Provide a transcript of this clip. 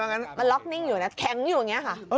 แข็งอยู่อย่างนี้ค่ะ